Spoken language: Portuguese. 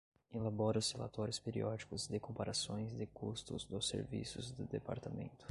Elabora os relatórios periódicos de comparações de custos dos serviços do Departamento.